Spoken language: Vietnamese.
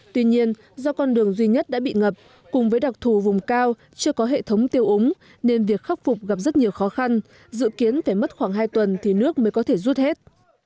tuy nhiên do con đường duy nhất đã bị ngập cùng với đặc thù vùng cao chưa có hệ thống tiêu úng nên việc khắc phục gặp rất nhiều khó khăn dự kiến phải mất khoảng hai tuần thì nước mới có thể rút hết